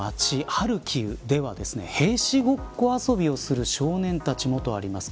ハルキウでは兵士ごっこ遊びをする少年たちも、とあります。